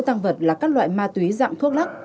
tăng vật là các loại ma túy dạng thuốc lắc